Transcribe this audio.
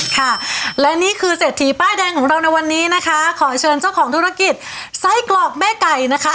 ค่ะและนี่คือเศรษฐีป้ายแดงของเราในวันนี้นะคะขอเชิญเจ้าของธุรกิจไส้กรอกแม่ไก่นะคะ